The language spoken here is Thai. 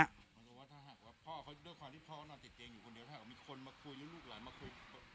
มันก็ว่าถ้าหากว่าพ่อเขาด้วยความที่พ่อน่าเจ็บเจียงอยู่คนเดียว